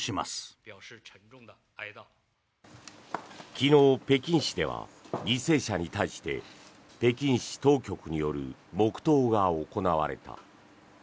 昨日、北京市では犠牲者に対して北京市当局による黙祷が行われた。